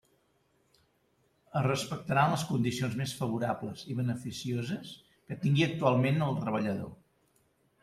Es respectaran les condicions més favorables i beneficioses que tingui actualment el treballador.